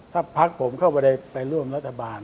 ถ้าพักผมเข้าไปร่วมรัฐบาล